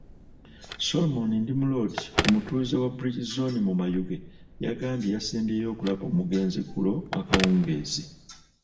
Solomon Ndimulodi, omutuuze wa Bridge zooni mu Mayuge yagambye yasembyeyo okulaba omugenzi eggulo akawungeezi.